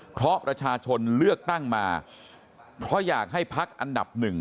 เพราะประชาชนเลือกตั้งมาเพราะอยากให้พักอันดับหนึ่ง